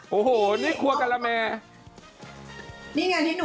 บอกว่านี่เธอก็คืนไปเลยได้ไหม